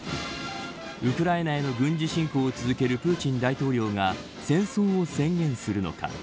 ウクライナへの軍事侵攻を続けるプーチン大統領が戦争を宣言するのか。